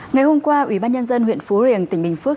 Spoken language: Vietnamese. ngày hôm qua ủy ban nhân dân huyện phú riềng tỉnh bình phước